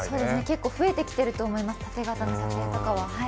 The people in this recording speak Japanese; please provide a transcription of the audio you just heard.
結構増えてきていると思います、縦型の撮影とかは。